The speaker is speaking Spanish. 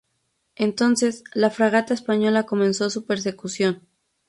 Entonces, la fragata española comenzó su persecución.